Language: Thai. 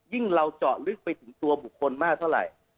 เราเจาะลึกไปถึงตัวบุคคลมากเท่าไหร่